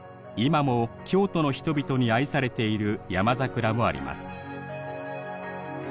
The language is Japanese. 今も京都の人々に愛されている山桜もあります